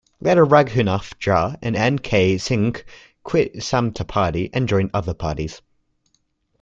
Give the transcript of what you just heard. Later Raghunath Jha and N. K. Singh quit Samta Party and joined other parties.